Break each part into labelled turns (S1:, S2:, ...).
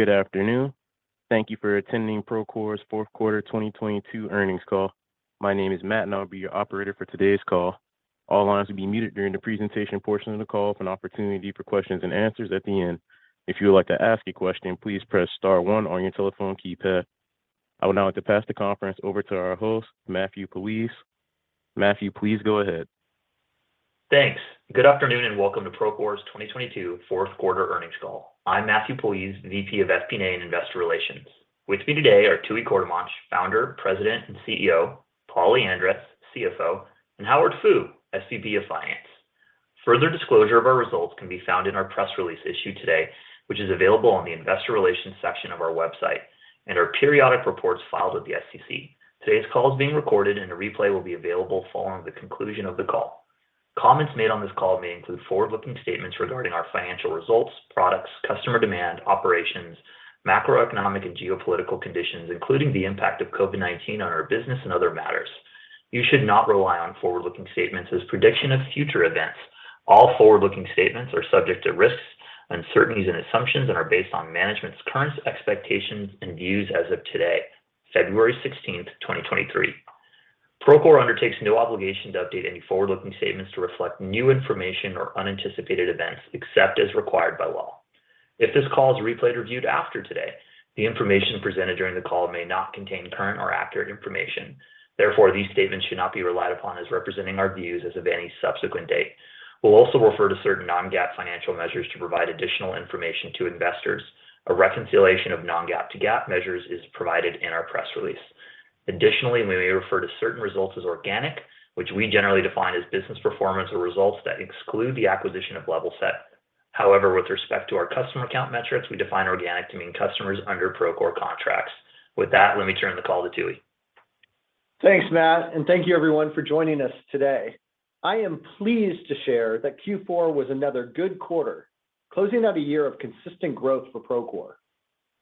S1: Good afternoon. Thank you for attending Procore's Fourth Quarter 2022 Earnings Call. My name is Matt, and I'll be your operator for today's call. All lines will be muted during the presentation portion of the call for an opportunity for questions-and-answers at the end. If you would like to ask a question, please press star one on your telephone keypad. I would now like to pass the conference over to our host, Matthew Puljiz. Matthew, please go ahead.
S2: Thanks. Good afternoon, welcome to Procore's 2022 Fourth Quarter Earnings Call. I'm Matthew Puljiz, VP of FP&A and Investor Relations. With me today are Tooey Courtemanche, Founder, President, and CEO, Paul Lyandres, CFO, and Howard Fu, SVP of Finance. Further disclosure of our results can be found in our press release issued today, which is available on the investor relations section of our website and our periodic reports filed with the SEC. Today's call is being recorded, a replay will be available following the conclusion of the call. Comments made on this call may include forward-looking statements regarding our financial results, products, customer demand, operations, macroeconomic and geopolitical conditions, including the impact of COVID-19 on our business and other matters. You should not rely on forward-looking statements as prediction of future events. All forward-looking statements are subject to risks, uncertainties and assumptions, and are based on management's current expectations and views as of today, February 16th, 2023. Procore undertakes no obligation to update any forward-looking statements to reflect new information or unanticipated events, except as required by law. If this call is replayed or reviewed after today, the information presented during the call may not contain current or accurate information. Therefore, these statements should not be relied upon as representing our views as of any subsequent date. We'll also refer to certain non-GAAP financial measures to provide additional information to investors. A reconciliation of non-GAAP to GAAP measures is provided in our press release. Additionally, we may refer to certain results as organic, which we generally define as business performance or results that exclude the acquisition of Levelset. With respect to our customer count metrics, we define organic to mean customers under Procore contracts. With that, let me turn the call to Tooey.
S3: Thanks, Matt, thank you everyone for joining us today. I am pleased to share that Q4 was another good quarter, closing out a year of consistent growth for Procore.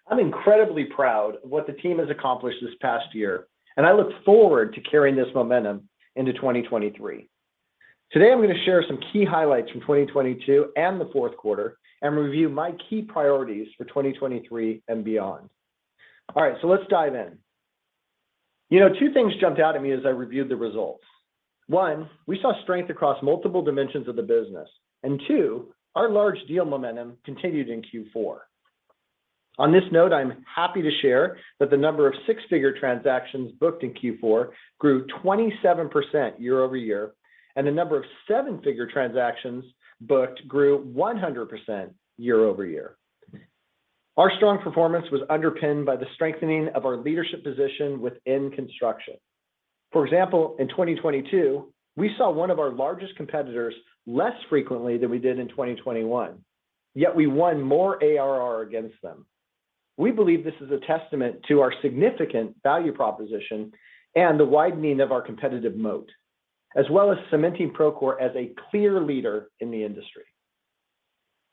S3: I'm incredibly proud of what the team has accomplished this past year, and I look forward to carrying this momentum into 2023. Today, I'm going to share some key highlights from 2022 and the fourth quarter and review my key priorities for 2023 and beyond. All right, let's dive in. You know, two things jumped out at me as I reviewed the results. One, we saw strength across multiple dimensions of the business. Two, our large deal momentum continued in Q4. On this note, I'm happy to share that the number of six-figure transactions booked in Q4 grew 27% year-over-year, and the number of seven-figure transactions booked grew 100% year-over-year. Our strong performance was underpinned by the strengthening of our leadership position within construction. For example, in 2022, we saw one of our largest competitors less frequently than we did in 2021, yet we won more ARR against them. We believe this is a testament to our significant value proposition and the widening of our competitive moat, as well as cementing Procore as a clear leader in the industry.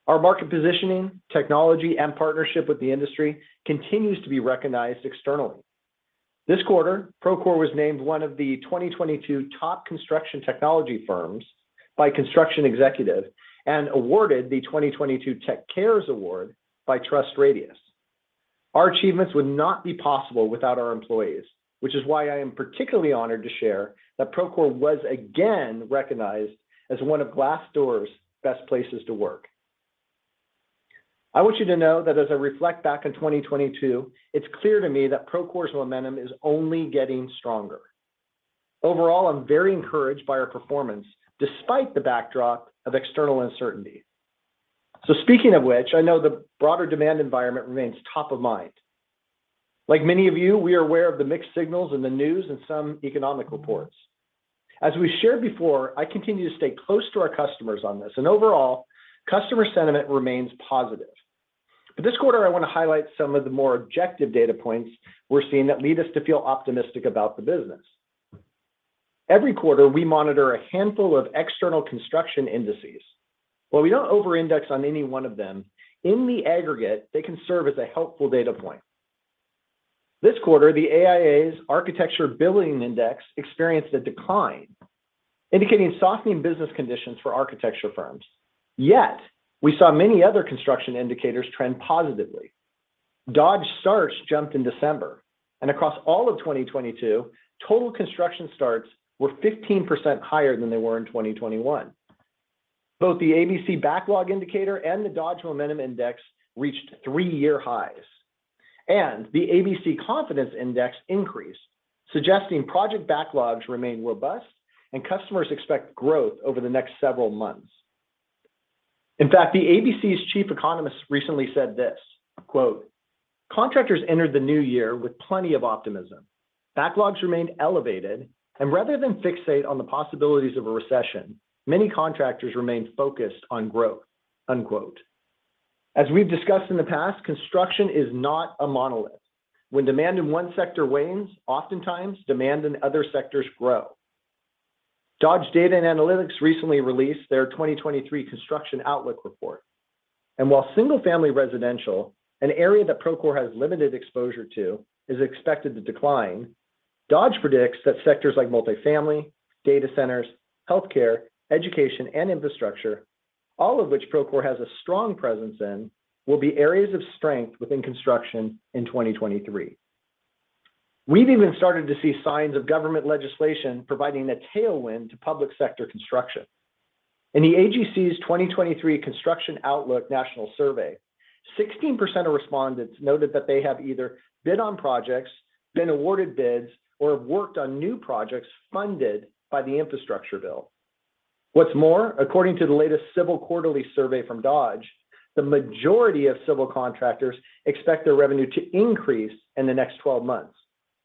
S3: Our market positioning, technology, and partnership with the industry continues to be recognized externally. This quarter, Procore was named one of the 2022 top construction technology firms by Construction Executive and awarded the 2022 Tech Cares Award by TrustRadius. Our achievements would not be possible without our employees, which is why I am particularly honored to share that Procore was again recognized as one of Glassdoor's best places to work. I want you to know that as I reflect back on 2022, it's clear to me that Procore's momentum is only getting stronger. Overall, I'm very encouraged by our performance despite the backdrop of external uncertainty. Speaking of which, I know the broader demand environment remains top of mind. Like many of you, we are aware of the mixed signals in the news and some economic reports. As we've shared before, I continue to stay close to our customers on this, and overall, customer sentiment remains positive. This quarter, I want to highlight some of the more objective data points we're seeing that lead us to feel optimistic about the business. Every quarter, we monitor a handful of external construction indices. While we don't over-index on any one of them, in the aggregate, they can serve as a helpful data point. This quarter, the AIA's Architecture Billings Index experienced a decline, indicating softening business conditions for architecture firms. Yet, we saw many other construction indicators trend positively. Dodge starts jumped in December, and across all of 2022, total construction starts were 15% higher than they were in 2021. Both the ABC Backlog Indicator and the Dodge Momentum Index reached 3-year highs, and the ABC Confidence Index increased, suggesting project backlogs remain robust and customers expect growth over the next several months. In fact, the ABC's chief economist recently said this, quote, "Contractors entered the new year with plenty of optimism. Backlogs remained elevated, and rather than fixate on the possibilities of a recession, many contractors remained focused on growth." Unquote. As we've discussed in the past, construction is not a monolith. When demand in one sector wanes, oftentimes demand in other sectors grow. Dodge Data & Analytics recently released their 2023 Construction Outlook Report, and while single-family residential, an area that Procore has limited exposure to, is expected to decline, Dodge predicts that sectors like multifamily, data centers, healthcare, education, and infrastructure, all of which Procore has a strong presence in, will be areas of strength within construction in 2023. We've even started to see signs of government legislation providing a tailwind to public sector construction. In the AGC's 2023 Construction Outlook National Survey, 16% of respondents noted that they have either bid on projects, been awarded bids, or have worked on new projects funded by the Infrastructure bill. What's more, according to the latest Civil Quarterly Survey from Dodge, the majority of civil contractors expect their revenue to increase in the next 12 months,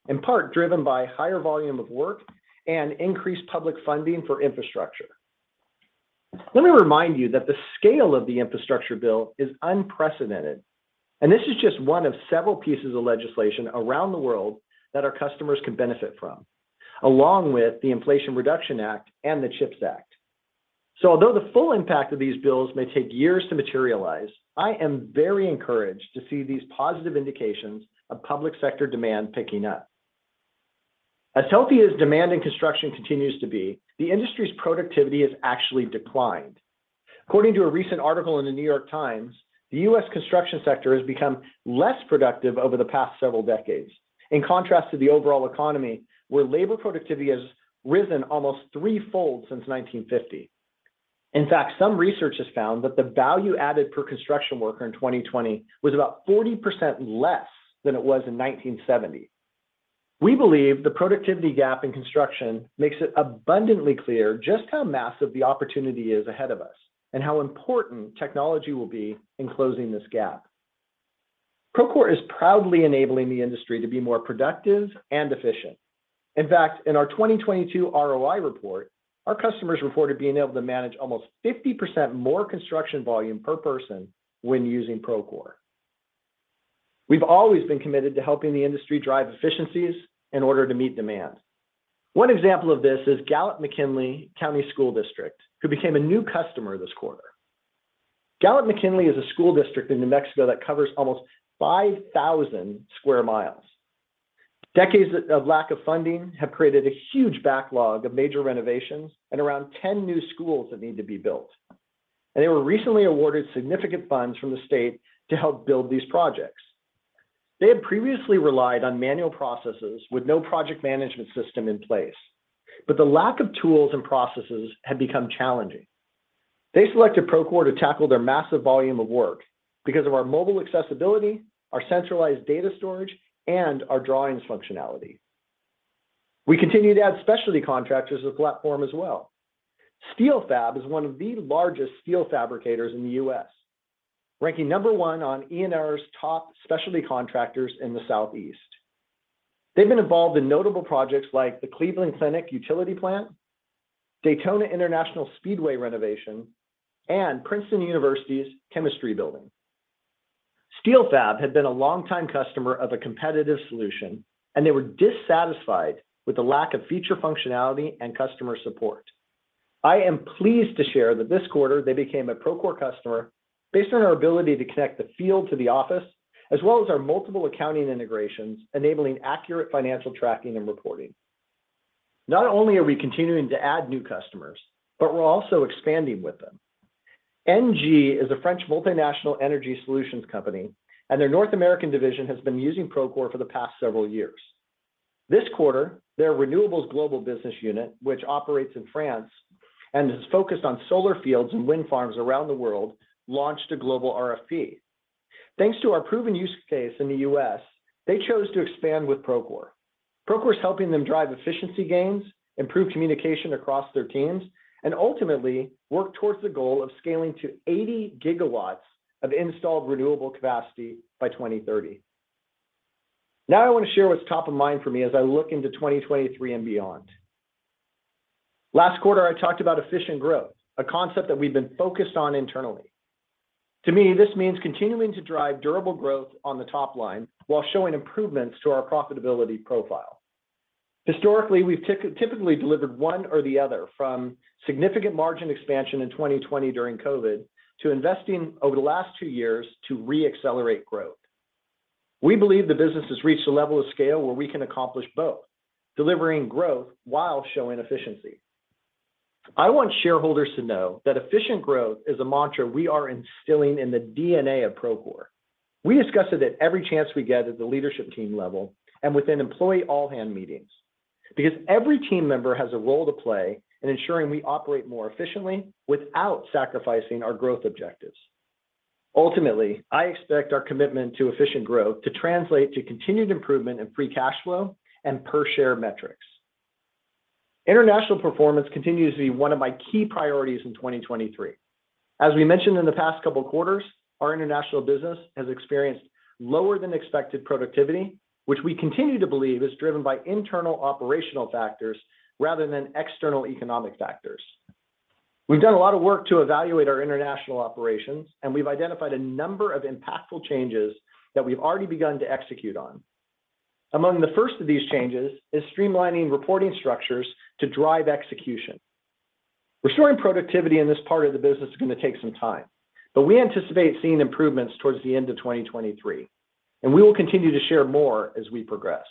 S3: in part driven by higher volume of work and increased public funding for infrastructure. Let me remind you that the scale of the Infrastructure bill is unprecedented, and this is just one of several pieces of legislation around the world that our customers can benefit from, along with the Inflation Reduction Act and the CHIPS Act. Although the full impact of these bills may take years to materialize, I am very encouraged to see these positive indications of public sector demand picking up. As healthy as demand in construction continues to be, the industry's productivity has actually declined. According to a recent article in The New York Times, the U.S. construction sector has become less productive over the past several decades, in contrast to the overall economy, where labor productivity has risen almost 3-fold since 1950. In fact, some research has found that the value added per construction worker in 2020 was about 40% less than it was in 1970. We believe the productivity gap in construction makes it abundantly clear just how massive the opportunity is ahead of us, and how important technology will be in closing this gap. Procore is proudly enabling the industry to be more productive and efficient. In fact, in our 2022 ROI Report, our customers reported being able to manage almost 50% more construction volume per person when using Procore. We've always been committed to helping the industry drive efficiencies in order to meet demand. One example of this is Gallup-McKinley County Schools, who became a new customer this quarter. Gallup-McKinley is a school district in New Mexico that covers almost 5,000 sq mi. Decades of lack of funding have created a huge backlog of major renovations and around 10 new schools that need to be built. They were recently awarded significant funds from the state to help build these projects. They had previously relied on manual processes with no project management system in place, the lack of tools and processes had become challenging. They selected Procore to tackle their massive volume of work because of our mobile accessibility, our centralized data storage, and our drawings functionality. We continue to add specialty contractors to the platform as well. SteelFab is one of the largest steel fabricators in the U.S., ranking number one on ENR's top specialty contractors in the Southeast. They've been involved in notable projects like the Cleveland Clinic Utility Plant, Daytona International Speedway renovation, and Princeton University's chemistry building. SteelFab had been a longtime customer of a competitive solution. They were dissatisfied with the lack of feature functionality and customer support. I am pleased to share that this quarter they became a Procore customer based on our ability to connect the field to the office, as well as our multiple accounting integrations enabling accurate financial tracking and reporting. Not only are we continuing to add new customers, but we're also expanding with them. ENGIE is a French multinational energy solutions company. Their North American division has been using Procore for the past several years. This quarter, their renewables global business unit, which operates in France and is focused on solar fields and wind farms around the world, launched a global RFP. Thanks to our proven use case in the U.S., they chose to expand with Procore. Procore's helping them drive efficiency gains, improve communication across their teams, and ultimately work towards the goal of scaling to 80 gigawatts of installed renewable capacity by 2030. I want to share what's top of mind for me as I look into 2023 and beyond. Last quarter, I talked about efficient growth, a concept that we've been focused on internally. To me, this means continuing to drive durable growth on the top line while showing improvements to our profitability profile. Historically, we've typically delivered one or the other, from significant margin expansion in 2020 during COVID to investing over the last two years to re-accelerate growth. We believe the business has reached a level of scale where we can accomplish both, delivering growth while showing efficiency. I want shareholders to know that efficient growth is a mantra we are instilling in the DNA of Procore. We discuss it at every chance we get at the leadership team level and within employee all-hand meetings, because every team member has a role to play in ensuring we operate more efficiently without sacrificing our growth objectives. Ultimately, I expect our commitment to efficient growth to translate to continued improvement in free cash flow and per-share metrics. International performance continues to be one of my key priorities in 2023. As we mentioned in the past couple quarters, our international business has experienced lower than expected productivity, which we continue to believe is driven by internal operational factors rather than external economic factors. We've done a lot of work to evaluate our international operations, and we've identified a number of impactful changes that we've already begun to execute on. Among the first of these changes is streamlining reporting structures to drive execution. Restoring productivity in this part of the business is gonna take some time, but we anticipate seeing improvements towards the end of 2023, and we will continue to share more as we progress.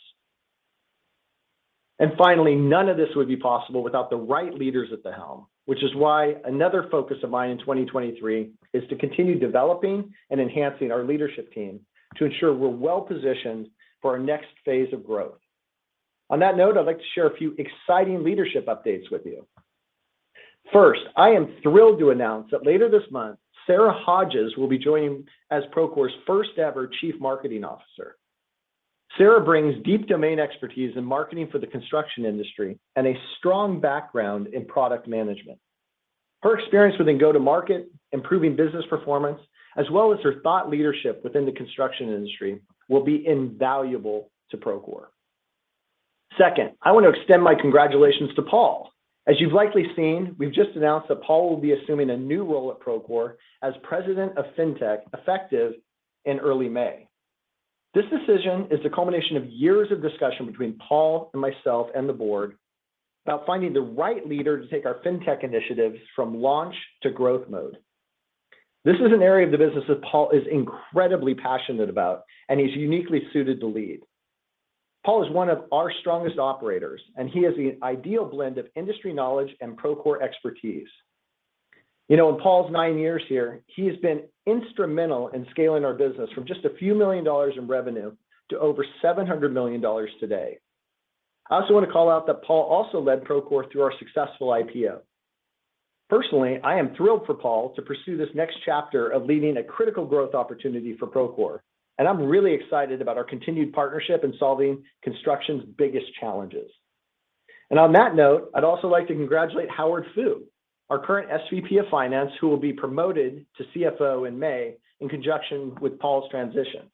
S3: Finally, none of this would be possible without the right leaders at the helm, which is why another focus of mine in 2023 is to continue developing and enhancing our leadership team to ensure we're well-positioned for our next phase of growth. On that note, I'd like to share a few exciting leadership updates with you. First, I am thrilled to announce that later this month, Sarah Hodges will be joining as Procore's first-ever Chief Marketing Officer. Sarah brings deep domain expertise in marketing for the construction industry and a strong background in product management. Her experience within go-to-market, improving business performance, as well as her thought leadership within the construction industry will be invaluable to Procore. Second, I want to extend my congratulations to Paul. As you've likely seen, we've just announced that Paul will be assuming a new role at Procore as President of Fintech, effective in early May. This decision is the culmination of years of discussion between Paul and myself and the board about finding the right leader to take our Fintech initiatives from launch to growth mode. This is an area of the business that Paul is incredibly passionate about and he's uniquely suited to lead. Paul is one of our strongest operators, and he has the ideal blend of industry knowledge and Procore expertise. You know, in Paul's nine years here, he has been instrumental in scaling our business from just a few million dollars in revenue to over $700 million today. I also want to call out that Paul also led Procore through our successful IPO. Personally, I am thrilled for Paul to pursue this next chapter of leading a critical growth opportunity for Procore, and I'm really excited about our continued partnership in solving construction's biggest challenges. On that note, I'd also like to congratulate Howard Fu, our current SVP of Finance, who will be promoted to CFO in May in conjunction with Paul's transition.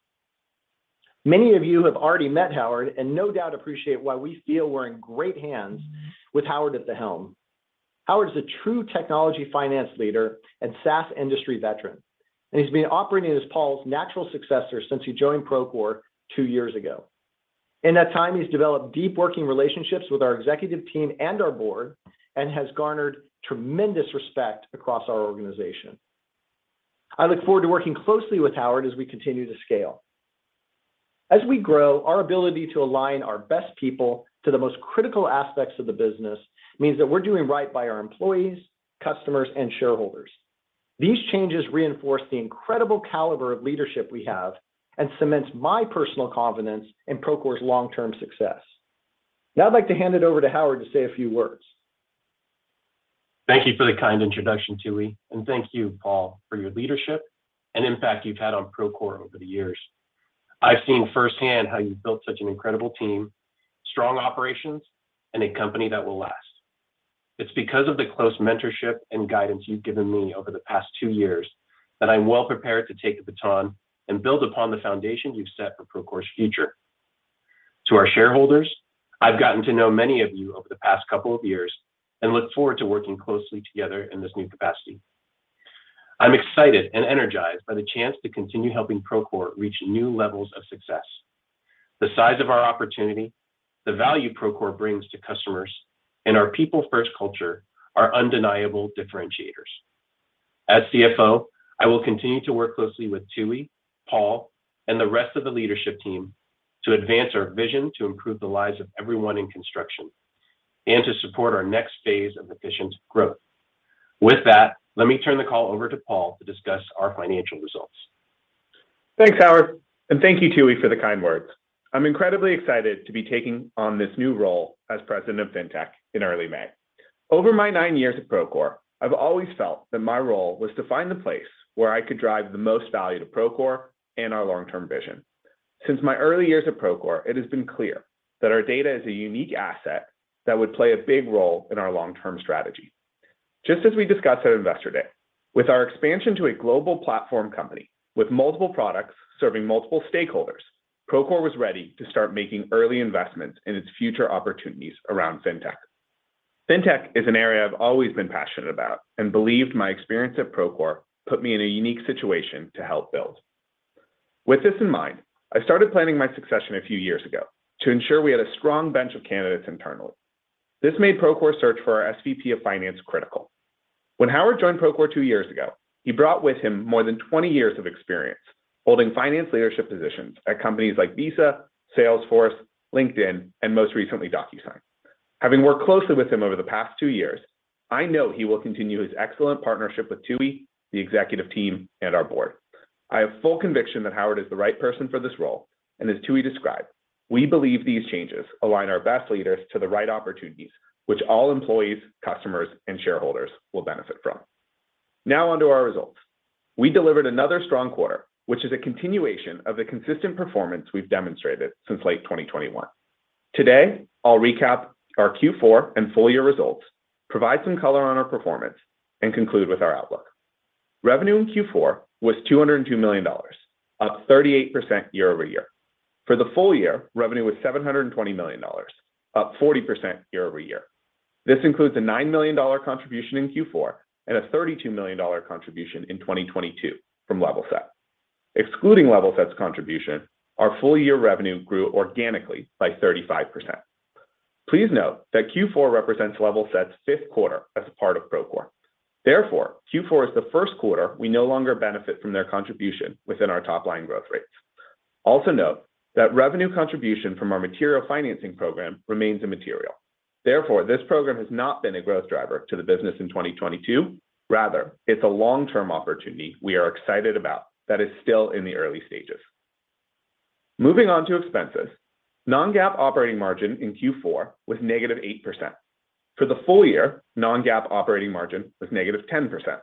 S3: Many of you have already met Howard and no doubt appreciate why we feel we're in great hands with Howard at the helm. Howard is a true technology finance leader and SaaS industry veteran. He's been operating as Paul's natural successor since he joined Procore 2 years ago. In that time, he's developed deep working relationships with our executive team and our board and has garnered tremendous respect across our organization. I look forward to working closely with Howard as we continue to scale. As we grow, our ability to align our best people to the most critical aspects of the business means that we're doing right by our employees, customers, and shareholders. These changes reinforce the incredible caliber of leadership we have and cements my personal confidence in Procore's long-term success. I'd like to hand it over to Howard to say a few words.
S4: Thank you for the kind introduction, Tooey, and thank you, Paul, for your leadership and impact you've had on Procore over the years. I've seen firsthand how you've built such an incredible team, strong operations, and a company that will last. It's because of the close mentorship and guidance you've given me over the past two years that I'm well-prepared to take the baton and build upon the foundation you've set for Procore's future. To our shareholders, I've gotten to know many of you over the past couple of years and look forward to working closely together in this new capacity. I'm excited and energized by the chance to continue helping Procore reach new levels of success. The size of our opportunity, the value Procore brings to customers, and our people-first culture are undeniable differentiators. As CFO, I will continue to work closely with Tooey, Paul, and the rest of the leadership team to advance our vision to improve the lives of everyone in construction and to support our next phase of efficient growth. With that, let me turn the call over to Paul to discuss our financial results.
S5: Thanks, Howard, and thank you, Tooey, for the kind words. I'm incredibly excited to be taking on this new role as President of Fintech in early May. Over my nine years at Procore, I've always felt that my role was to find the place where I could drive the most value to Procore and our long-term vision. Since my early years at Procore, it has been clear that our data is a unique asset that would play a big role in our long-term strategy. Just as we discussed at Investor Day, with our expansion to a global platform company with multiple products serving multiple stakeholders, Procore was ready to start making early investments in its future opportunities around Fintech. Fintech is an area I've always been passionate about and believed my experience at Procore put me in a unique situation to help build. With this in mind, I started planning my succession a few years ago to ensure we had a strong bench of candidates internally. This made Procore's search for our SVP of Finance critical. When Howard joined Procore 2 years ago, he brought with him more than 20 years of experience holding finance leadership positions at companies like Visa, Salesforce, LinkedIn, and most recently, DocuSign. Having worked closely with him over the past 2 years, I know he will continue his excellent partnership with Tooey, the executive team, and our board. I have full conviction that Howard is the right person for this role, as Tooey described, we believe these changes align our best leaders to the right opportunities which all employees, customers, and shareholders will benefit from. On to our results. We delivered another strong quarter, which is a continuation of the consistent performance we've demonstrated since late 2021. Today, I'll recap our Q4 and full-year results, provide some color on our performance, and conclude with our outlook. Revenue in Q4 was $202 million, up 38% year-over-year. For the full year, revenue was $720 million, up 40% year-over-year. This includes a $9 million contribution in Q4 and a $32 million contribution in 2022 from Levelset. Excluding Levelset's contribution, our full-year revenue grew organically by 35%. Please note that Q4 represents Levelset's 5th quarter as a part of Procore. Q4 is the first quarter we no longer benefit from their contribution within our top line growth rates. Note that revenue contribution from our material financing program remains immaterial. This program has not been a growth driver to the business in 2022. It's a long-term opportunity we are excited about that is still in the early stages. Moving on to expenses. Non-GAAP operating margin in Q4 was -8%. For the full year, non-GAAP operating margin was -10%.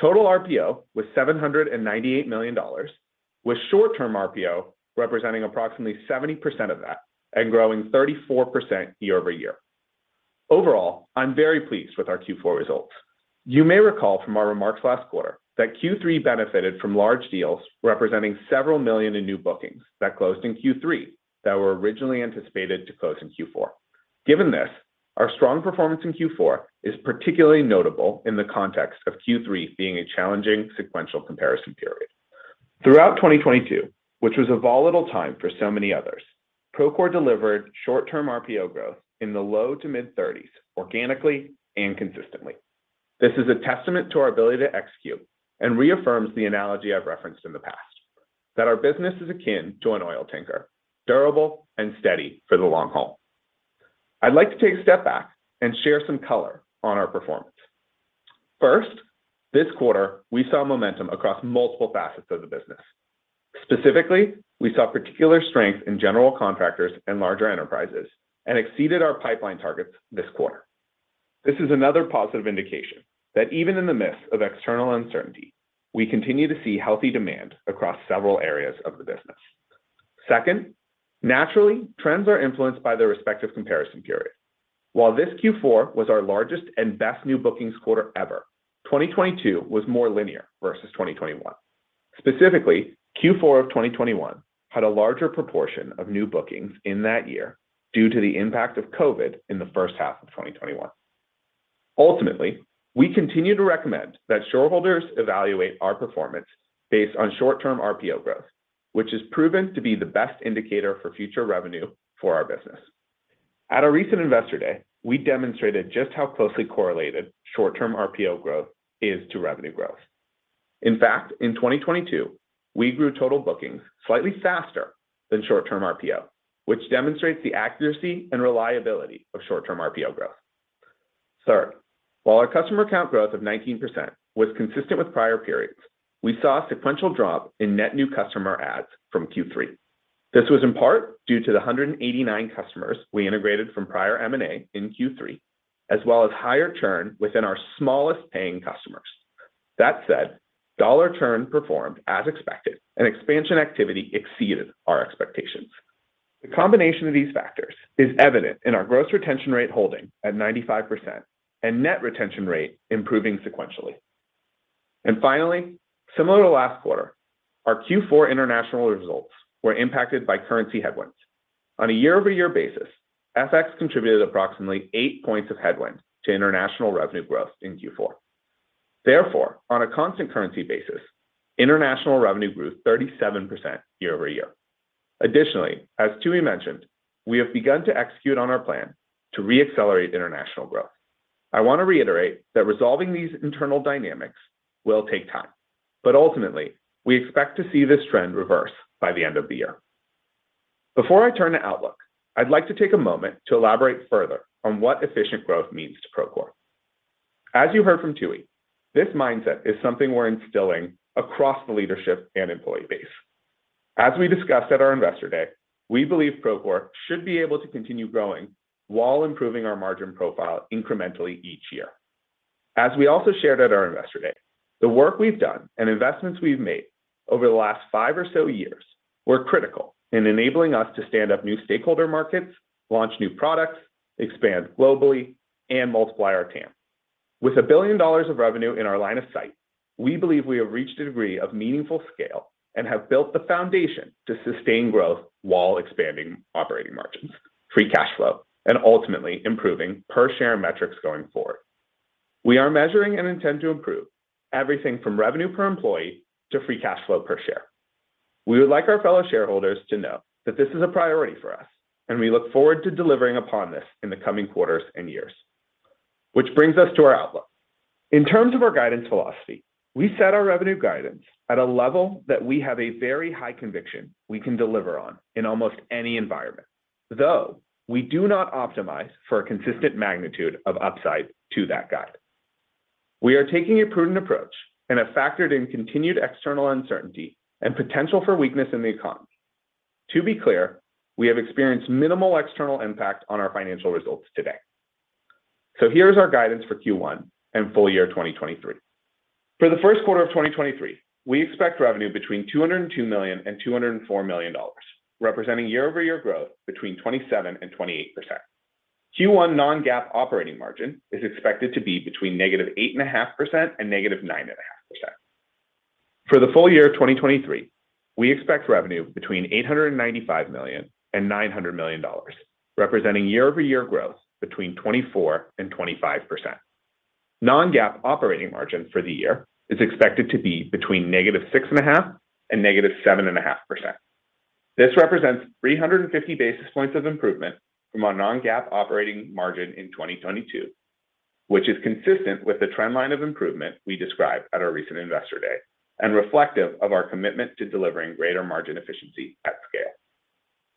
S5: Total RPO was $798 million, with short-term RPO representing approximately 70% of that and growing 34% year-over-year. I'm very pleased with our Q4 results. You may recall from our remarks last quarter that Q3 benefited from large deals representing dollar several million in new bookings that closed in Q3 that were originally anticipated to close in Q4. Given this, our strong performance in Q4 is particularly notable in the context of Q3 being a challenging sequential comparison period. Throughout 2022, which was a volatile time for so many others, Procore delivered short-term RPO growth in the low to mid-30s% organically and consistently. This is a testament to our ability to execute and reaffirms the analogy I've referenced in the past, that our business is akin to an oil tanker, durable and steady for the long haul. I'd like to take a step back and share some color on our performance. First, this quarter, we saw momentum across multiple facets of the business. Specifically, we saw particular strength in general contractors and larger enterprises and exceeded our pipeline targets this quarter. This is another positive indication that even in the midst of external uncertainty, we continue to see healthy demand across several areas of the business. Second, naturally, trends are influenced by their respective comparison period. While this Q4 was our largest and best new bookings quarter ever, 2022 was more linear versus 2021. Specifically, Q4 of 2021 had a larger proportion of new bookings in that year due to the impact of COVID in the first half of 2021. Ultimately, we continue to recommend that shareholders evaluate our performance based on short-term RPO growth, which has proven to be the best indicator for future revenue for our business. At a recent Investor Day, we demonstrated just how closely correlated short-term RPO growth is to revenue growth. In fact, in 2022, we grew total bookings slightly faster than short-term RPO, which demonstrates the accuracy and reliability of short-term RPO growth. Third, while our customer count growth of 19% was consistent with prior periods, we saw a sequential drop in net new customer adds from Q3. This was in part due to the 189 customers we integrated from prior M&A in Q3, as well as higher churn within our smallest paying customers. That said, dollar churn performed as expected and expansion activity exceeded our expectations. The combination of these factors is evident in our gross retention rate holding at 95% and net retention rate improving sequentially. Finally, similar to last quarter, our Q4 international results were impacted by currency headwinds. On a year-over-year basis, FX contributed approximately 8 points of headwind to international revenue growth in Q4. On a constant currency basis, international revenue grew 37% year-over-year. As Tooey mentioned, we have begun to execute on our plan to re-accelerate international growth. I want to reiterate that resolving these internal dynamics will take time, but ultimately, we expect to see this trend reverse by the end of the year. Before I turn to outlook, I'd like to take a moment to elaborate further on what efficient growth means to Procore. You heard from Tooey, this mindset is something we're instilling across the leadership and employee base. We discussed at our Investor Day, we believe Procore should be able to continue growing while improving our margin profile incrementally each year. As we also shared at our Investor Day, the work we've done and investments we've made over the last five or so years were critical in enabling us to stand up new stakeholder markets, launch new products, expand globally, and multiply our TAM. With $1 billion of revenue in our line of sight, we believe we have reached a degree of meaningful scale and have built the foundation to sustain growth while expanding operating margins, free cash flow, and ultimately improving per-share metrics going forward. We are measuring and intend to improve everything from revenue per employee to free cash flow per share. We would like our fellow shareholders to know that this is a priority for us, and we look forward to delivering upon this in the coming quarters and years. Which brings us to our outlook. In terms of our guidance philosophy, we set our revenue guidance at a level that we have a very high conviction we can deliver on in almost any environment. We do not optimize for a consistent magnitude of upside to that guidance. We are taking a prudent approach and have factored in continued external uncertainty and potential for weakness in the economy. To be clear, we have experienced minimal external impact on our financial results to date. Here's our guidance for Q1 and full year 2023. For the first quarter of 2023, we expect revenue between $202 million and $204 million, representing year-over-year growth between 27%-28%. Q1 non-GAAP operating margin is expected to be between -8.5% and -9.5%. For the full year of 2023, we expect revenue between $895 million and $900 million, representing year-over-year growth between 24% and 25%. non-GAAP operating margin for the year is expected to be between -6.5% and -7.5%. This represents 350 basis points of improvement from our non-GAAP operating margin in 2022, which is consistent with the trend line of improvement we described at our recent Investor Day and reflective of our commitment to delivering greater margin efficiency at scale.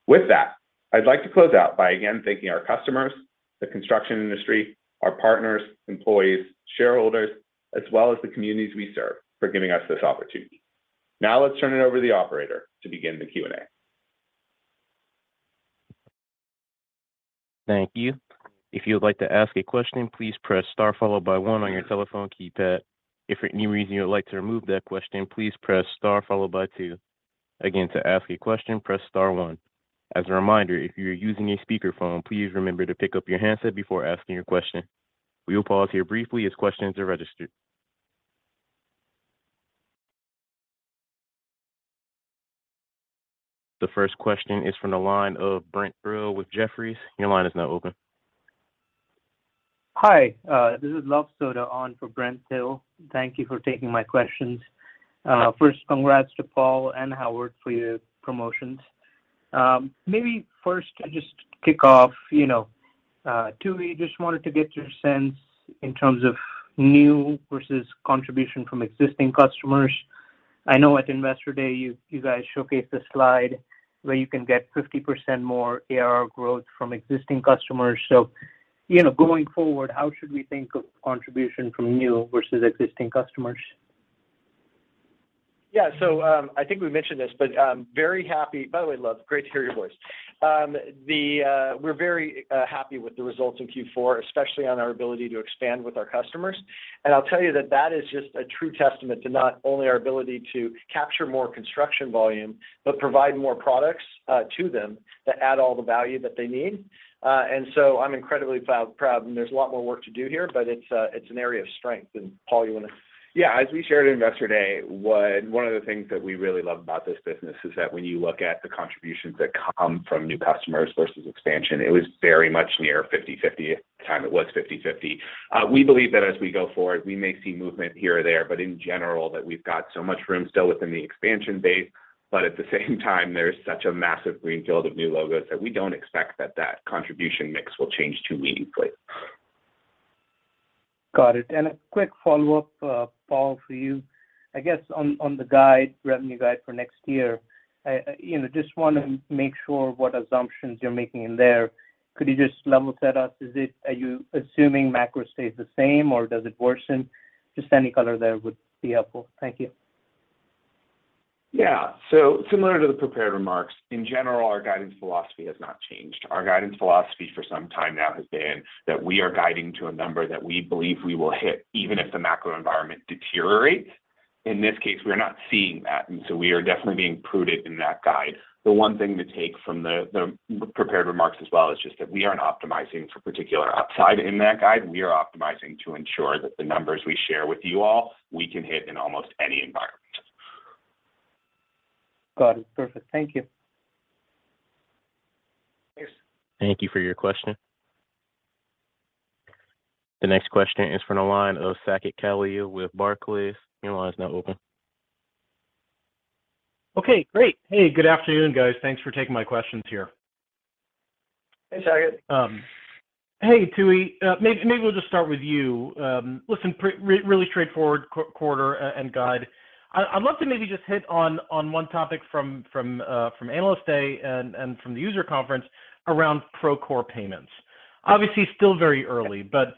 S5: With that, I'd like to close out by again thanking our customers, the construction industry, our partners, employees, shareholders, as well as the communities we serve for giving us this opportunity. Let's turn it over to the operator to begin the Q&A.
S1: Thank you. If you would like to ask a question, please press star followed by one on your telephone keypad. If for any reason you would like to remove that question, please press star followed by two. Again, to ask a question, press star one. As a reminder, if you're using a speakerphone, please remember to pick up your handset before asking your question. We will pause here briefly as questions are registered. The first question is from the line of Brent Thill with Jefferies. Your line is now open.
S6: Hi, this is Luv Sodha on for Brent Thill. Thank you for taking my questions. First congrats to Paul and Howard for your promotions. Maybe first to just kick off, you know, Tooey, just wanted to get your sense in terms of new versus contribution from existing customers. I know at Investor Day you guys showcased a slide where you can get 50% more ARR growth from existing customers. You know, going forward, how should we think of contribution from new versus existing customers?
S3: I think we mentioned this, but I'm very happy... By the way, Luv, great to hear your voice. We're very happy with the results in Q4, especially on our ability to expand with our customers. I'll tell you that that is just a true testament to not only our ability to capture more construction volume, but provide more products to them that add all the value that they need. I'm incredibly proud, and there's a lot more work to do here, but it's an area of strength. Paul, you wanna-
S5: Yeah, as we shared at Investor Day, one of the things that we really love about this business is that when you look at the contributions that come from new customers versus expansion, it was very much near 50/50. At the time, it was 50/50. We believe that as we go forward, we may see movement here or there, but in general that we've got so much room still within the expansion base, but at the same time there's such a massive greenfield of new logos that we don't expect that contribution mix will change too meaningfully.
S6: Got it. A quick follow-up, Paul, for you. I guess on the guide, revenue guide for next year, I, you know, just wanna make sure what assumptions you're making in there. Could you just level set us? Are you assuming macro stays the same or does it worsen? Just any color there would be helpful. Thank you.
S5: Yeah. Similar to the prepared remarks, in general, our guidance philosophy has not changed. Our guidance philosophy for some time now has been that we are guiding to a number that we believe we will hit even if the macro environment deteriorates. In this case, we are not seeing that, we are definitely being prudent in that guide. The one thing to take from the prepared remarks as well is just that we aren't optimizing for particular upside in that guide. We are optimizing to ensure that the numbers we share with you all we can hit in almost any environment.
S6: Got it. Perfect. Thank you.
S3: Thanks.
S1: Thank you for your question. The next question is from the line of Saket Kalia with Barclays. Your line is now open.
S7: Okay, great. Hey, good afternoon, guys. Thanks for taking my questions here.
S3: Hey, Saket.
S7: Hey, Tooey, maybe we'll just start with you. Listen, really straightforward quarter and guide. I'd love to maybe just hit on one topic from Analyst Day and from the user conference around Procore Pay. Obviously, still very early, but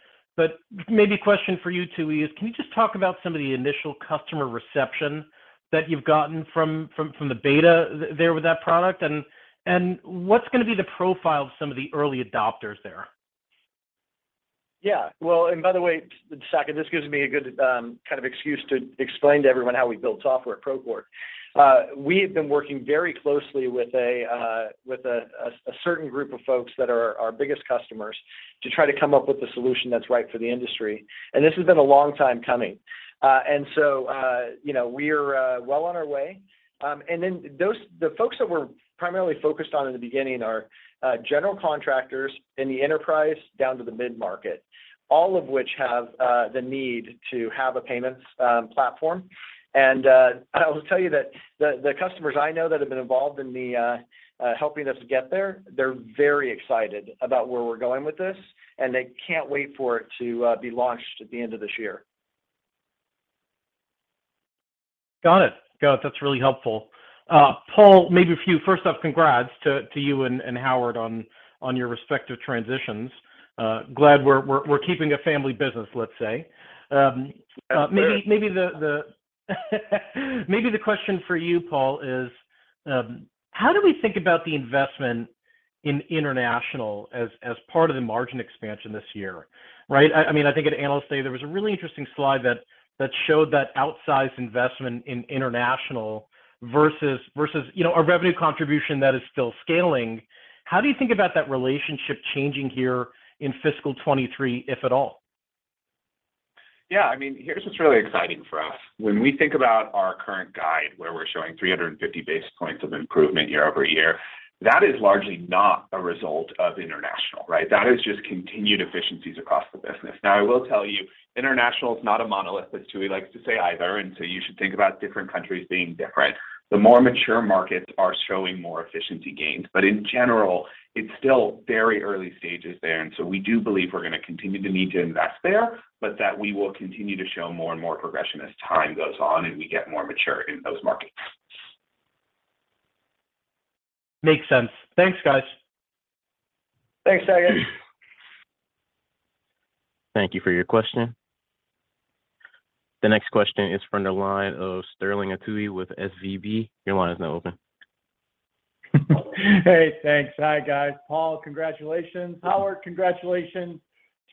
S7: maybe question for you, Tooey, is can you just talk about some of the initial customer reception that you've gotten from the beta there with that product and what's gonna be the profile of some of the early adopters there?
S3: Yeah. Well, by the way, Saket, this gives me a good kind of excuse to explain to everyone how we build software at Procore. We have been working very closely with a, with a certain group of folks that are our biggest customers to try to come up with a solution that's right for the industry, and this has been a long time coming. You know, we're well on our way. The folks that we're primarily focused on in the beginning are general contractors in the enterprise down to the mid-market, all of which have the need to have a payments platform. I will tell you that the customers I know that have been involved in the helping us get there, they're very excited about where we're going with this, and they can't wait for it to be launched at the end of this year.
S7: Got it. Got it. That's really helpful. Paul, maybe for you, first off, congrats to you and Howard on your respective transitions. Glad we're keeping a family business, let's say.
S5: Yes, sir.
S7: maybe the question for you, Paul, is how do we think about the investment in international as part of the margin expansion this year, right? I mean, I think at Investor Day there was a really interesting slide that showed that outsized investment in international versus, you know, a revenue contribution that is still scaling. How do you think about that relationship changing here in fiscal 2023, if at all?
S5: Yeah, I mean, here's what's really exciting for us. When we think about our current guide where we're showing 350 basis points of improvement year-over-year. That is largely not a result of international, right? That is just continued efficiencies across the business. I will tell you, international is not a monolith, as Tooey likes to say either, you should think about different countries being different. The more mature markets are showing more efficiency gains. In general, it's still very early stages there. We do believe we're gonna continue to need to invest there, but that we will continue to show more and more progression as time goes on and we get more mature in those markets.
S7: Makes sense. Thanks, guys.
S3: Thanks, Saket.
S1: Thank you for your question. The next question is from the line of Sterling Auty with SVB. Your line is now open.
S8: Hey, thanks. Hi, guys. Paul, congratulations. Howard, congratulations.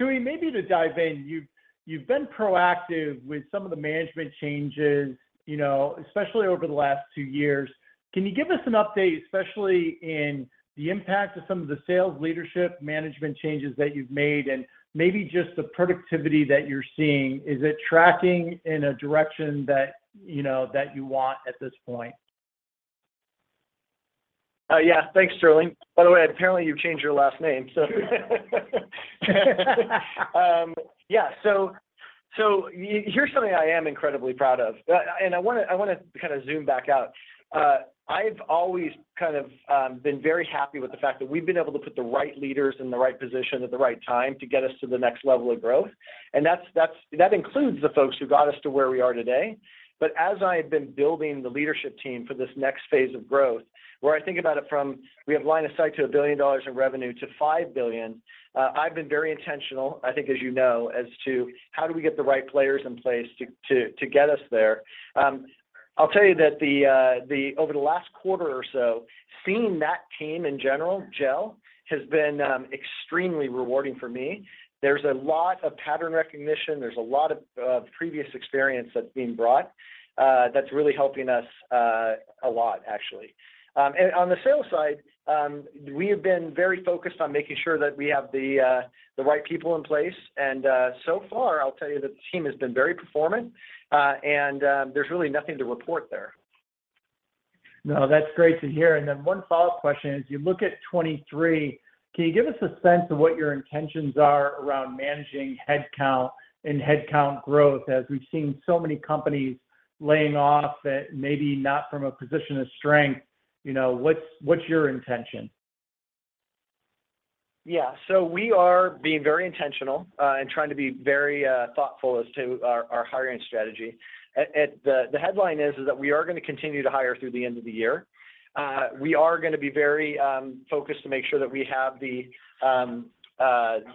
S8: Tooey, maybe to dive in, you've been proactive with some of the management changes, you know, especially over the last two years. Can you give us an update, especially in the impact of some of the sales leadership management changes that you've made, and maybe just the productivity that you're seeing? Is it tracking in a direction that, you know, that you want at this point?
S3: Yeah. Thanks, Sterling. By the way, apparently you've changed your last name, so yeah. Here's something I am incredibly proud of. I wanna kind of zoom back out. I've always kind of been very happy with the fact that we've been able to put the right leaders in the right position at the right time to get us to the next level of growth, and that's that includes the folks who got us to where we are today. As I had been building the leadership team for this next phase of growth, where I think about it from, we have line of sight to $1 billion in revenue to $5 billion, I've been very intentional, I think as you know, as to how do we get the right players in place to get us there. I'll tell you that the over the last quarter or so, seeing that team in general gel has been extremely rewarding for me. There's a lot of pattern recognition. There's a lot of previous experience that's being brought, that's really helping us a lot actually. And on the sales side, we have been very focused on making sure that we have the right people in place. So far, I'll tell you that the team has been very performant, and there's really nothing to report there.
S8: No, that's great to hear. One follow-up question, as you look at 23, can you give us a sense of what your intentions are around managing headcount and headcount growth, as we've seen so many companies laying off, maybe not from a position of strength. You know, what's your intention?
S3: Yeah. We are being very intentional and trying to be very thoughtful as to our hiring strategy. The headline is that we are gonna continue to hire through the end of the year. We are gonna be very focused to make sure that we have the,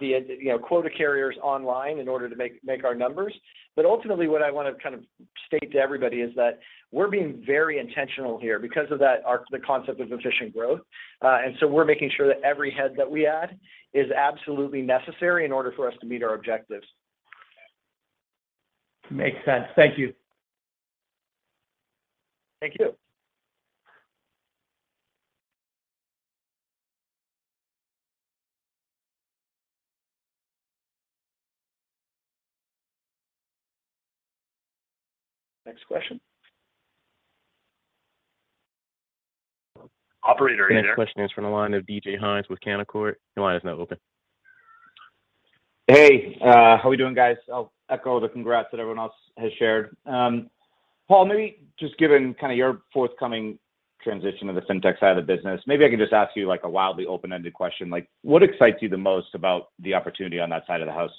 S3: you know, quota carriers online in order to make our numbers. Ultimately, what I wanna kind of state to everybody is that we're being very intentional here because of that the concept of efficient growth. We're making sure that every head that we add is absolutely necessary in order for us to meet our objectives.
S8: Makes sense. Thank you.
S3: Thank you.
S1: Next question.
S3: Operator, are you there?
S1: The next question is from the line of DJ Hynes with Canaccord. Your line is now open.
S9: Hey. how you doing, guys? I'll echo the congrats that everyone else has shared. Paul, maybe just given kinda your forthcoming transition to the Fintech side of the business, maybe I can just ask you, like, a wildly open-ended question, like, what excites you the most about the opportunity on that side of the house?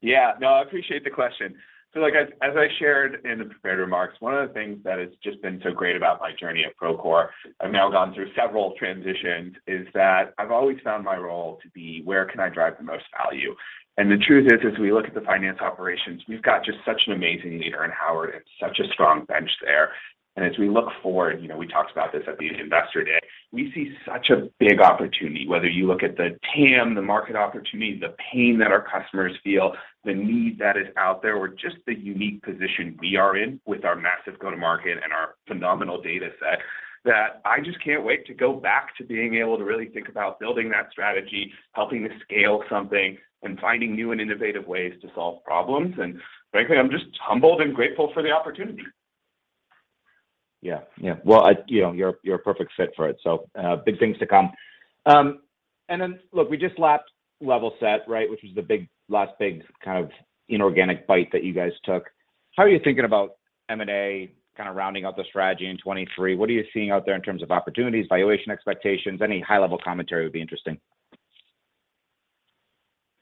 S5: Yeah. No, I appreciate the question. Like, as I shared in the prepared remarks, one of the things that has just been so great about my journey at Procore, I've now gone through several transitions, is that I've always found my role to be where can I drive the most value. The truth is, as we look at the finance operations, we've got just such an amazing leader in Howard and such a strong bench there. As we look forward, you know, we talked about this at the Investor Day, we see such a big opportunity, whether you look at the TAM, the market opportunity, the pain that our customers feel, the need that is out there, or just the unique position we are in with our massive go-to-market and our phenomenal data set, that I just can't wait to go back to being able to really think about building that strategy, helping to scale something, and finding new and innovative ways to solve problems. Frankly, I'm just humbled and grateful for the opportunity.
S9: Yeah. Yeah. Well, you know, you're a perfect fit for it, so, big things to come. Look, we just lapped Levelset, right? Which was last big kind of inorganic bite that you guys took. How are you thinking about M&A kinda rounding out the strategy in 2023? What are you seeing out there in terms of opportunities, valuation expectations? Any high-level commentary would be interesting.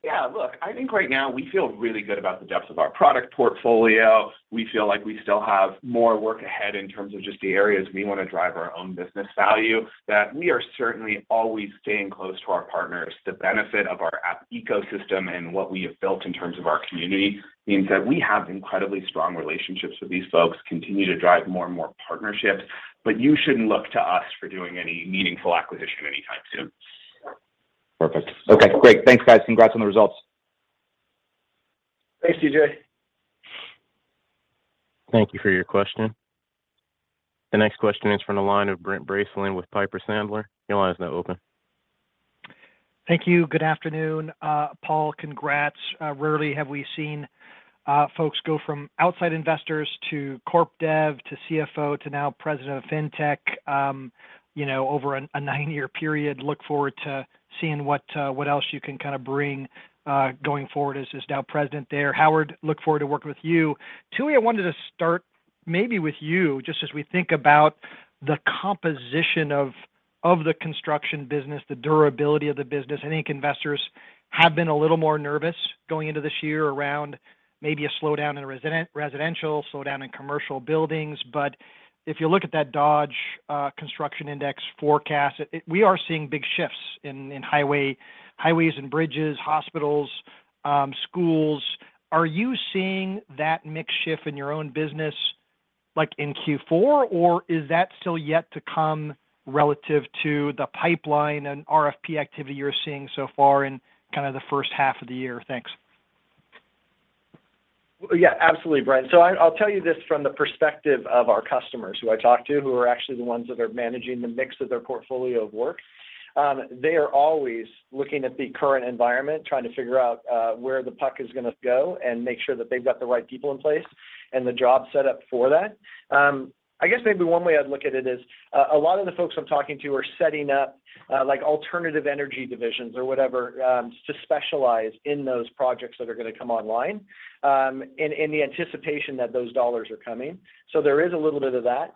S5: Yeah. Look, I think right now we feel really good about the depth of our product portfolio. We feel like we still have more work ahead in terms of just the areas we wanna drive our own business value, that we are certainly always staying close to our partners. The benefit of our app ecosystem and what we have built in terms of our community means that we have incredibly strong relationships with these folks, continue to drive more and more partnerships. You shouldn't look to us for doing any meaningful acquisition anytime soon.
S9: Perfect. Okay, great. Thanks, guys. Congrats on the results.
S3: Thanks, DJ.
S1: Thank you for your question. The next question is from the line of Brent Bracelin with Piper Sandler. Your line is now open.
S10: Thank you. Good afternoon, Paul. Congrats. Rarely have we seen folks go from outside investors to corp dev to CFO to now President of Fintech, you know, over a 9-year period. Look forward to seeing what else you can kind of bring going forward as now President there. Howard, look forward to working with you. Tooey, I wanted to start maybe with you, just as we think about the composition of the construction business, the durability of the business. I think investors have been a little more nervous going into this year around maybe a slowdown in residential, slowdown in commercial buildings. If you look at that Dodge construction index forecast, we are seeing big shifts in highway, highways and bridges, hospitals, schools. Are you seeing that mix shift in your own business like in Q4, or is that still yet to come relative to the pipeline and RFP activity you're seeing so far in kind of the first half of the year? Thanks.
S3: Yeah, absolutely, Brent. I'll tell you this from the perspective of our customers who I talk to, who are actually the ones that are managing the mix of their portfolio of work. They are always looking at the current environment, trying to figure out where the puck is gonna go and make sure that they've got the right people in place and the job set up for that. I guess maybe one way I'd look at it is a lot of the folks I'm talking to are setting up like alternative energy divisions or whatever to specialize in those projects that are gonna come online in the anticipation that those dollars are coming. There is a little bit of that.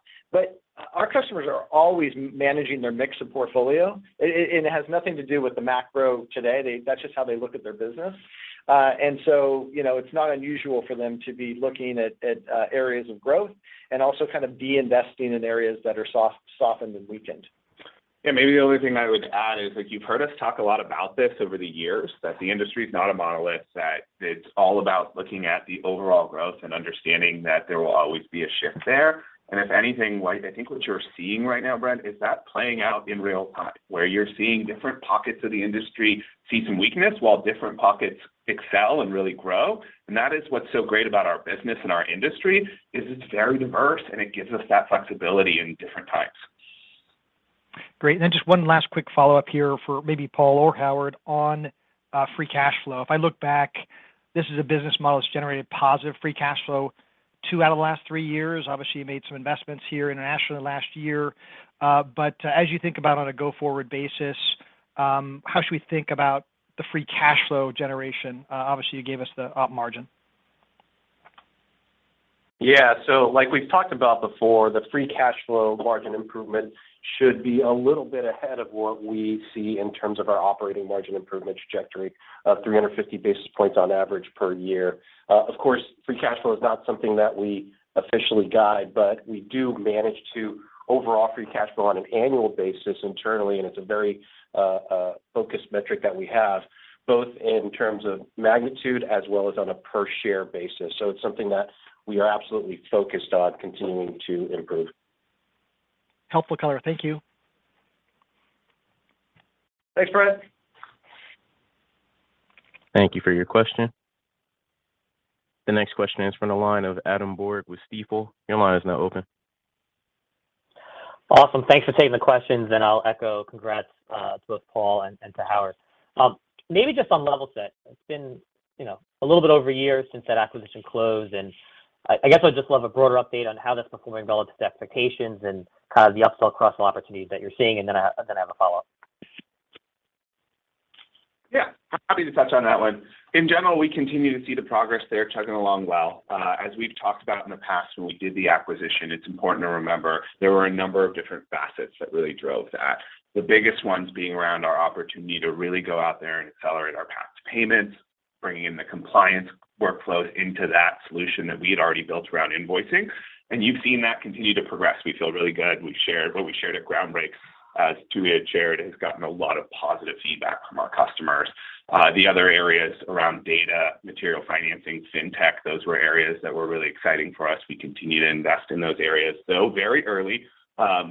S3: Our customers are always managing their mix of portfolio. It, it, and it has nothing to do with the macro today. That's just how they look at their business. You know, it's not unusual for them to be looking at areas of growth and also kind of de-investing in areas that are softened and weakened.
S5: Yeah, maybe the only thing I would add is, like you've heard us talk a lot about this over the years, that the industry is not a monolith, that it's all about looking at the overall growth and understanding that there will always be a shift there. If anything, like I think what you're seeing right now, Brent, is that playing out in real time, where you're seeing different pockets of the industry see some weakness while different pockets excel and really grow. That is what's so great about our business and our industry, is it's very diverse, and it gives us that flexibility in different types.
S10: Great. Just one last quick follow-up here for maybe Paul or Howard on, free cash flow. If I look back, this is a business model that's generated positive free cash flow two out of the last three years. Obviously, you made some investments here internationally last year. But as you think about on a go-forward basis, how should we think about the free cash flow generation? Obviously, you gave us the op margin.
S3: Yeah. Like we've talked about before, the free cash flow margin improvement should be a little bit ahead of what we see in terms of our operating margin improvement trajectory of 350 basis points on average per year. Of course, free cash flow is not something that we officially guide, but we do manage to overall free cash flow on an annual basis internally, and it's a very focused metric that we have, both in terms of magnitude as well as on a per share basis. It's something that we are absolutely focused on continuing to improve.
S10: Helpful color. Thank you.
S3: Thanks, Brent.
S1: Thank you for your question. The next question is from the line of Adam Borg with Stifel. Your line is now open.
S11: Awesome. Thanks for taking the questions. I'll echo congrats to both Paul and to Howard. Maybe just on Levelset, it's been, you know, a little bit over a year since that acquisition closed. I guess I'd just love a broader update on how that's performing relative to expectations and kind of the upsell cross-sell opportunities that you're seeing. Then I have a follow-up.
S5: Yeah. Happy to touch on that one. In general, we continue to see the progress there chugging along well. As we've talked about in the past when we did the acquisition, it's important to remember there were a number of different facets that really drove that. The biggest ones being around our opportunity to really go out there and accelerate our path to payments, bringing in the compliance workflows into that solution that we had already built around invoicing, and you've seen that continue to progress. We feel really good. We shared what we shared at Groundbreak. As Tooey had shared, it has gotten a lot of positive feedback from our customers. The other areas around data, material financing, fintech, those were areas that were really exciting for us. We continue to invest in those areas. Though very early,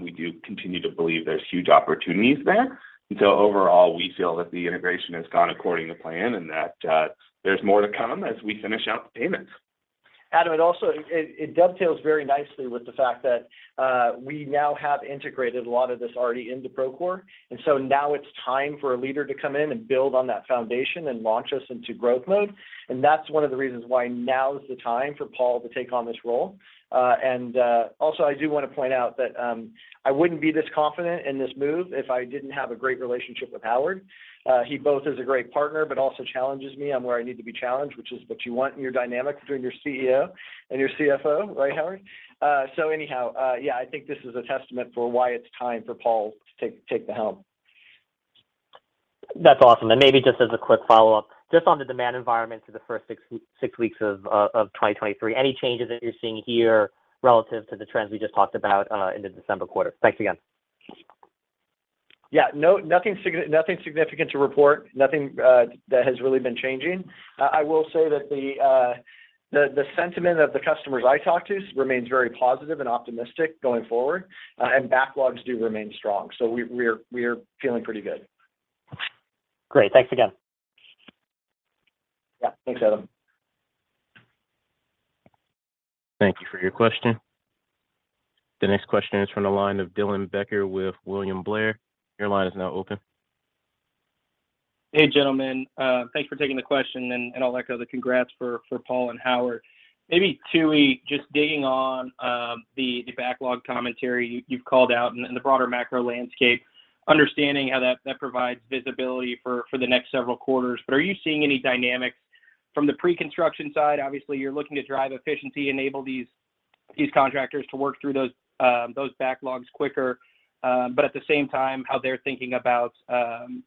S5: we do continue to believe there's huge opportunities there. Overall, we feel that the integration has gone according to plan and that there's more to come as we finish out the payments.
S3: Adam, it also, it dovetails very nicely with the fact that we now have integrated a lot of this already into Procore. Now it's time for a leader to come in and build on that foundation and launch us into growth mode, and that's one of the reasons why now is the time for Paul to take on this role. Also, I do wanna point out that I wouldn't be this confident in this move if I didn't have a great relationship with Howard. He both is a great partner but also challenges me on where I need to be challenged, which is what you want in your dynamic between your CEO and your CFO, right, Howard? Anyhow, I think this is a testament for why it's time for Paul to take the helm.
S11: That's awesome. Maybe just as a quick follow-up, just on the demand environment for the first six weeks of 2023, any changes that you're seeing here relative to the trends we just talked about in the December quarter? Thanks again.
S3: Yeah. No, nothing significant to report. Nothing that has really been changing. I will say that the sentiment of the customers I talk to remains very positive and optimistic going forward, and backlogs do remain strong. We're feeling pretty good.
S11: Great. Thanks again.
S3: Yeah. Thanks, Adam.
S1: Thank you for your question. The next question is from the line of Dylan Becker with William Blair. Your line is now open.
S12: Hey, gentlemen. Thanks for taking the question and all that other congrats for Paul Lyandres and Howard Fu. Maybe Tooey Courtemanche, just digging on the backlog commentary you've called out in the broader macro landscape, understanding how that provides visibility for the next several quarters. Are you seeing any dynamics from the pre-construction side? Obviously, you're looking to drive efficiency, enable these contractors to work through those backlogs quicker. At the same time, how they're thinking about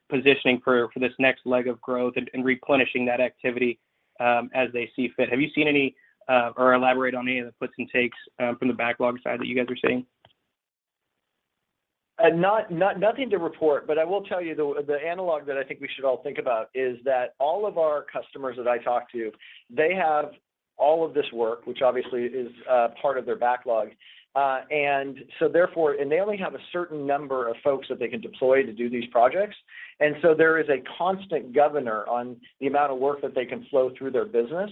S12: positioning for this next leg of growth and replenishing that activity as they see fit. Have you seen any or elaborate on any of the puts and takes from the backlog side that you guys are seeing?
S3: Nothing to report, but I will tell you the analog that I think we should all think about is that all of our customers that I talk to, they have all of this work, which obviously is part of their backlog. They only have a certain number of folks that they can deploy to do these projects. There is a constant governor on the amount of work that they can flow through their business.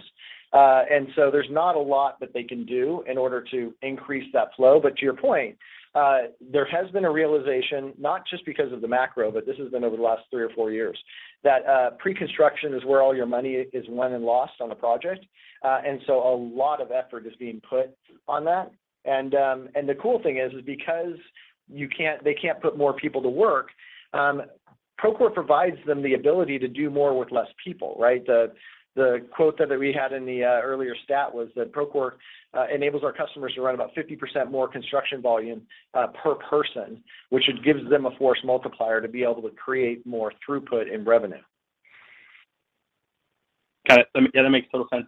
S3: There's not a lot that they can do in order to increase that flow. But to your point, there has been a realization, not just because of the macro, but this has been over the last three or four years, that pre-construction is where all your money is won and lost on a project. A lot of effort is being put on that. The cool thing is because they can't put more people to work, Procore provides them the ability to do more with less people, right? The quote that we had in the earlier stat was that Procore enables our customers to run about 50% more construction volume per person, which it gives them a force multiplier to be able to create more throughput and revenue.
S12: Got it. That, yeah, that makes total sense.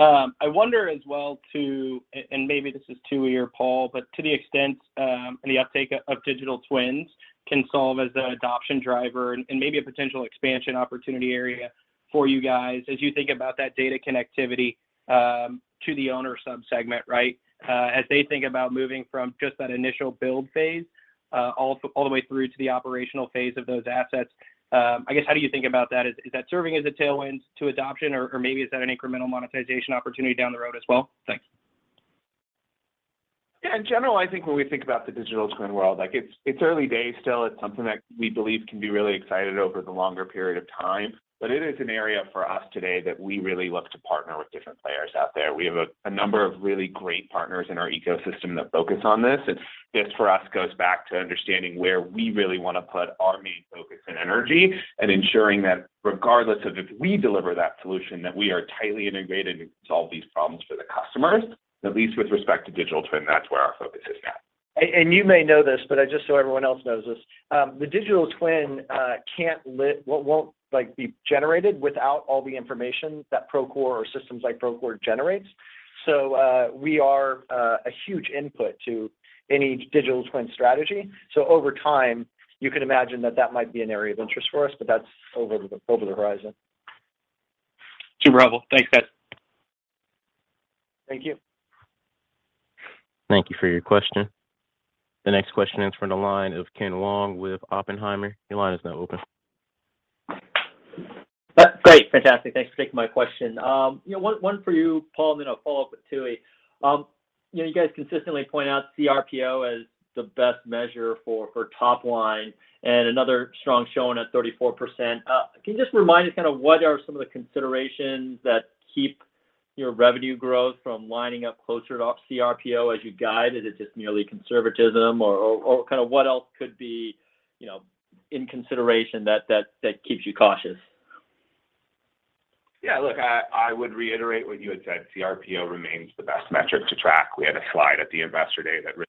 S12: I wonder as well, too, and maybe this is Tooey or Paul, but to the extent, the uptake of digital twins can solve as an adoption driver and maybe a potential expansion opportunity area for you guys as you think about that data connectivity, to the owner sub-segment, right? As they think about moving from just that initial build phase, all the way through to the operational phase of those assets. I guess, how do you think about that? Is that serving as a tailwind to adoption or maybe is that an incremental monetization opportunity down the road as well? Thanks.
S5: Yeah. In general, I think when we think about the digital twin world, like it's early days still. It's something that we believe can be really excited over the longer period of time. It is an area for us today that we really look to partner with different players out there. We have a number of really great partners in our ecosystem that focus on this. This for us goes back to understanding where we really wanna put our main focus and energy and ensuring that regardless of if we deliver that solution, that we are tightly integrated to solve these problems for the customers. At least with respect to digital twin, that's where our focus is at.
S3: You may know this, but just so everyone else knows this, the digital twin won't, like, be generated without all the information that Procore or systems like Procore generates. We are a huge input to any digital twin strategy. Over time, you can imagine that that might be an area of interest for us, but that's over the, over the horizon.
S12: Super helpful. Thanks, guys.
S3: Thank you.
S1: Thank you for your question. The next question is from the line of Ken Wong with Oppenheimer. Your line is now open.
S13: Great. Fantastic. Thanks for taking my question. You know, one for you, Paul Lyandres, then I'll follow up with Tooey Courtemanche. You know, you guys consistently point out CRPO as the best measure for top line and another strong showing at 34%. Can you just remind us kind of what are some of the considerations that keep your revenue growth from lining up closer to off CRPO as you guide? Is it just merely conservatism or kind of what else could be, you know, in consideration that keeps you cautious?
S5: Yeah. Look, I would reiterate what you had said. CRPO remains the best metric to track. We had a slide at the Investor Day that really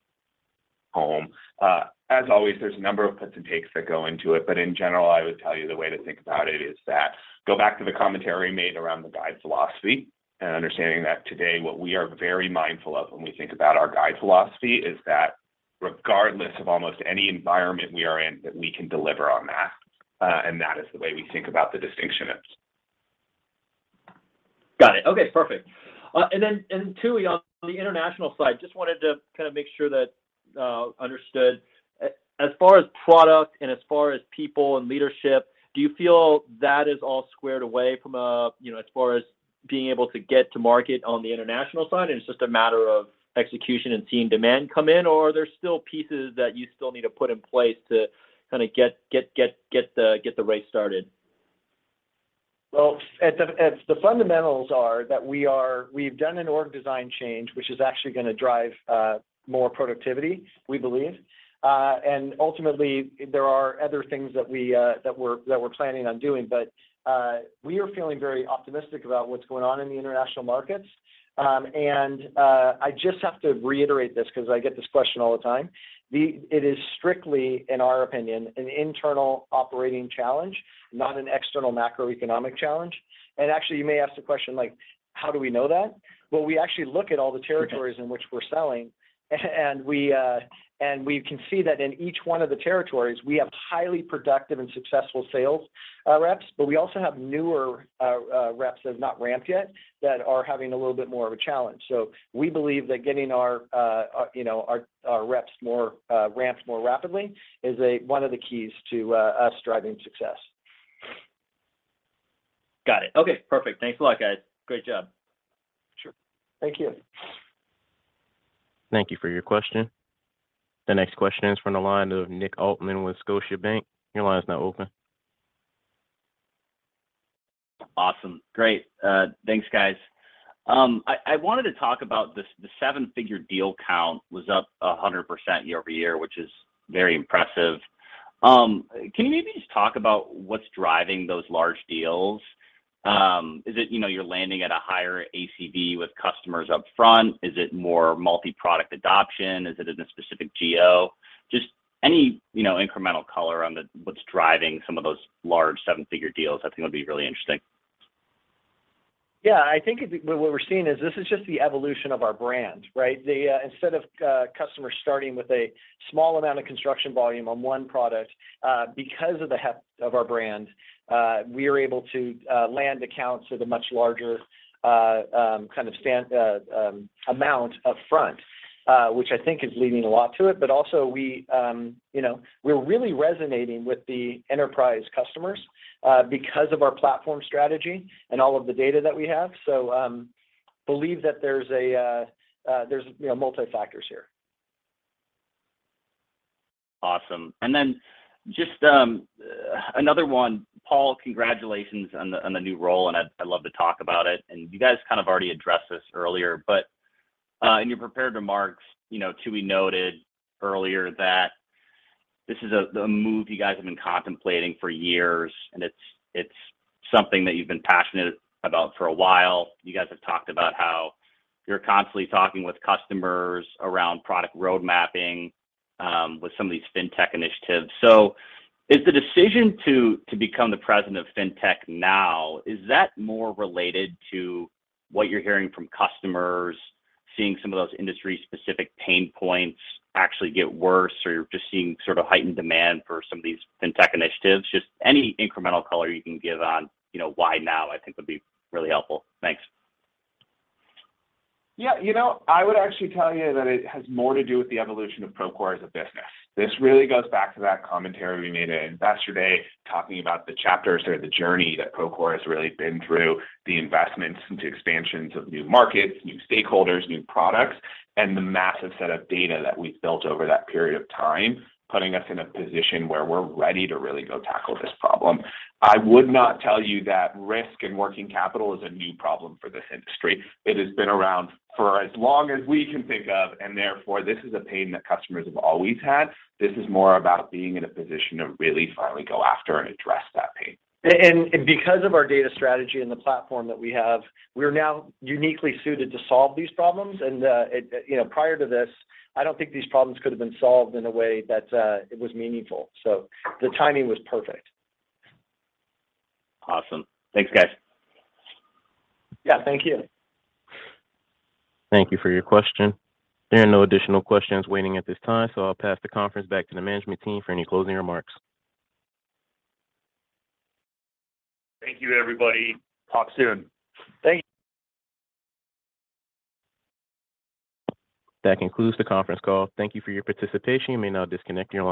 S5: home. As always, there's a number of puts and takes that go into it. In general, I would tell you the way to think about it is that go back to the commentary made around the guide philosophy and understanding that today, what we are very mindful of when we think about our guide philosophy is that regardless of almost any environment we are in, that we can deliver on that. That is the way we think about the distinction.
S13: Got it. Okay, perfect. Tooey, on the international side, just wanted to kind of make sure that, understood. As far as product and as far as people and leadership, do you feel that is all squared away from a, you know, as far as being able to get to market on the international side, and it's just a matter of execution and seeing demand come in? Or are there still pieces that you still need to put in place to kind of get the race started?
S3: Well, the fundamentals are that we've done an org design change, which is actually gonna drive more productivity, we believe. Ultimately, there are other things that we, that we're planning on doing. We are feeling very optimistic about what's going on in the international markets. I just have to reiterate this because I get this question all the time. It is strictly, in our opinion, an internal operating challenge, not an external macroeconomic challenge. Actually, you may ask the question, like, "How do we know that?" Well, we actually look at all the territories in which we're selling, and we can see that in each one of the territories, we have highly productive and successful sales reps, but we also have newer reps that have not ramped yet that are having a little bit more of a challenge. We believe that getting our, you know, our reps more ramped more rapidly is one of the keys to us driving success.
S14: Got it. Okay, perfect. Thanks a lot, guys. Great job.
S3: Sure. Thank you.
S1: Thank you for your question. The next question is from the line of Nick Altmann with Scotiabank. Your line is now open.
S14: Awesome. Great. Thanks, guys. I wanted to talk about the 7-figure deal count was up 100% year-over-year, which is very impressive. Can you maybe just talk about what's driving those large deals? Is it, you know, you're landing at a higher ACV with customers up front? Is it more multi-product adoption? Is it in a specific geo? Just any, you know, incremental color on the, what's driving some of those large 7-figure deals, I think would be really interesting.
S3: I think what we're seeing is this is just the evolution of our brand, right? Instead of customers starting with a small amount of construction volume on one product, because of the heft of our brand, we're able to land accounts with a much larger kind of amount up front. Which I think is leading a lot to it. Also we, you know, we're really resonating with the enterprise customers because of our platform strategy and all of the data that we have. Believe that there's, you know, multi-factors here.
S14: Awesome. Then just another one. Paul, congratulations on the new role, I'd love to talk about it. You guys kind of already addressed this earlier, but in your prepared remarks, you know, Tooey noted earlier that this is the move you guys have been contemplating for years, and it's something that you've been passionate about for a while. You guys have talked about how you're constantly talking with customers around product road mapping with some of these fintech initiatives. Is the decision to become the president of fintech now, is that more related to what you're hearing from customers, seeing some of those industry-specific pain points actually get worse, or you're just seeing sort of heightened demand for some of these fintech initiatives? Just any incremental color you can give on, you know, why now, I think would be really helpful. Thanks.
S5: Yeah. You know, I would actually tell you that it has more to do with the evolution of Procore as a business. This really goes back to that commentary we made at Investor Day, talking about the chapters or the journey that Procore has really been through, the investments into expansions of new markets, new stakeholders, new products, and the massive set of data that we've built over that period of time, putting us in a position where we're ready to really go tackle this problem. I would not tell you that risk and working capital is a new problem for this industry. It has been around for as long as we can think of, and therefore, this is a pain that customers have always had. This is more about being in a position to really finally go after and address that pain.
S3: Because of our data strategy and the platform that we have, we're now uniquely suited to solve these problems. You know, prior to this, I don't think these problems could have been solved in a way that it was meaningful. The timing was perfect.
S14: Awesome. Thanks, guys.
S3: Yeah, thank you.
S1: Thank you for your question. There are no additional questions waiting at this time. I'll pass the conference back to the management team for any closing remarks.
S3: Thank you, everybody. Talk soon.
S5: Thank you.
S1: That concludes the conference call. Thank you for your participation. You may now disconnect your lines.